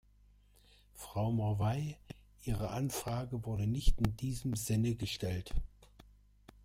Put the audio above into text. Frau Morvai, Ihre Anfrage wurde nicht in diesem Sinne gestellt.